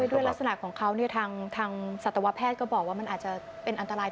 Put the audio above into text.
ด้วยลักษณะของเขาทางสัตวแพทย์ก็บอกว่ามันอาจจะเป็นอันตราย